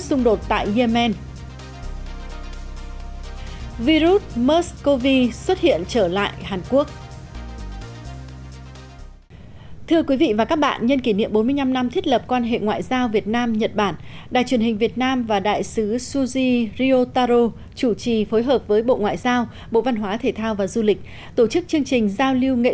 xin chào và hẹn gặp lại